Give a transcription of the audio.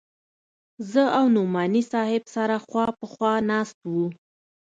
زه او نعماني صاحب سره خوا په خوا ناست وو.